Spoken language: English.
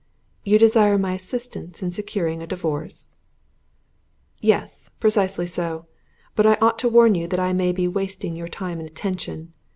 "You desire my assistance in securing a divorce?" "Yes, precisely so; but I ought to warn you that I may be wasting your time and attention.